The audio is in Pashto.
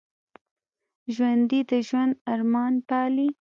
ژوندي د ژوند ارمان پالي